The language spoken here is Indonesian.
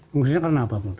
mengungsi karena apa